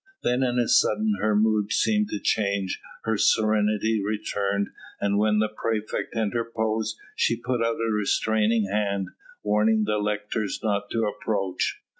Then in a sudden her mood seemed to change, her serenity returned, and when the praefect interposed she put out a restraining hand, warning the lictors not to approach.